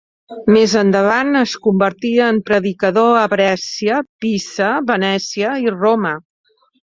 Més endavant es convertí en predicador a Brescia, Pisa, Venècia i Roma.